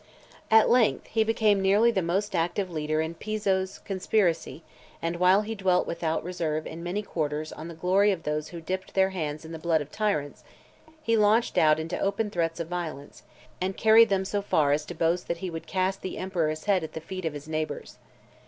At length, he became nearly the most active leader in Piso's conspiracy ; and while he dwelt without reserve in many quarters on the glory of those who dipped their hands in the (545) blood of tyrants, he launched out into open threats of violence, and carried them so far as to boast that he would cast the emperor's head at the feet of his neighbours.